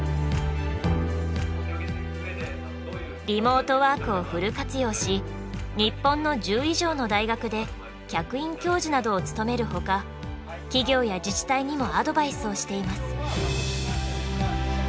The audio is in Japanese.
リモートワークをフル活用し日本の１０以上の大学で客員教授などを務めるほか企業や自治体にもアドバイスをしています。